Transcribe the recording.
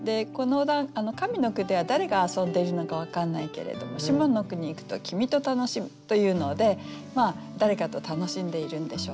上の句では誰が遊んでいるのか分かんないけれども下の句にいくと「君と楽しむ」というので誰かと楽しんでいるんでしょう。